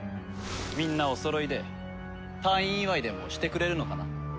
みんなおそろいで退院祝いでもしてくれるのかな？